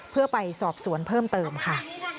เพื่อไปสอบสวนเพิ่มเติมค่ะ